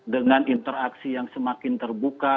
dengan interaksi yang semakin terbuka